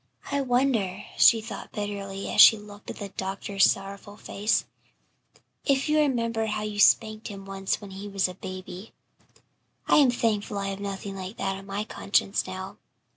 "I wonder," she thought bitterly, as she looked at the doctor's sorrowful face, "if you remember how you spanked him once when he was a baby. I am thankful I have nothing like that on my conscience now."